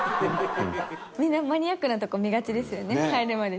みんなマニアックな所見がちですよね入るまでに。